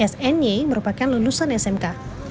sny merupakan lulusan smk